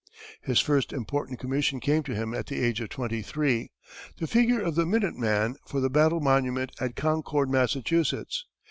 His first important commission came to him at the age of twenty three the figure of the "Minute Man" for the battle monument at Concord, Massachusetts.